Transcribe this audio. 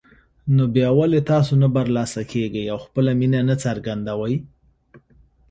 نو بيا ولې تاسو نه برلاسه کېږئ او خپله مينه نه څرګندوئ